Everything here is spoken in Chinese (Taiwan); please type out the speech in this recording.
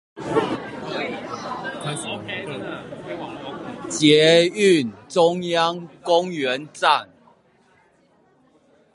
捷運中央公園站